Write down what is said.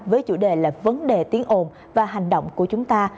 với chủ đề là vấn đề tiếng ồn và hành động của chúng ta